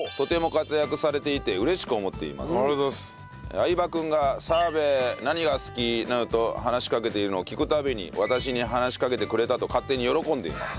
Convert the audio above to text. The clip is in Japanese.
相葉君が「澤部何が好き？」などと話しかけているのを聞く度に「私に話しかけてくれた」と勝手に喜んでいます。